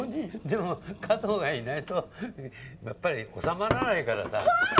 でも加藤がいないとやっぱり収まらないからさ。